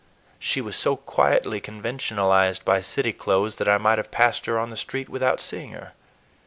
She was so quietly conventionalized by city clothes that I might have passed her on the street without seeing her.